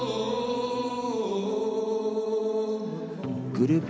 グループ